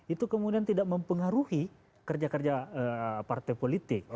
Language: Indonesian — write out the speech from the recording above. itu kemudian tidak mempengaruhi kerja kerja partai politik